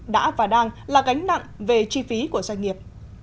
đã và đang là gánh nặng về chi phí của doanh nghiệp